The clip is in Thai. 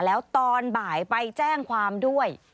แล้วตอนบ่ายไปแจ้งความด้วย